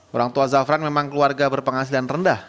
orang tua zafran memang keluarga berpenghasilan rendah